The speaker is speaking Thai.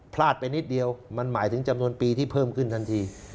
พลาดไปนิดเดียวมันหมายถึงจำนวนปีที่เพิ่มขึ้นทันที